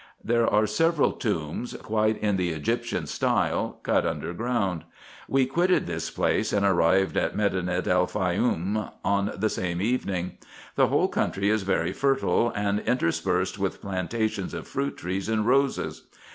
There are several tombs, quite in the Egyptian style, cut under ground. We quitted this place, and arrived at Medinet El Faioum on the same evening. The whole country is very fertile, and interspersed with plantations of fruit trees and roses.